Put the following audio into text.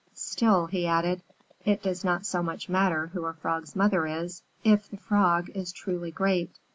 Still," he added, "it does not so much matter who a Frog's mother is, if the Frog is truly great."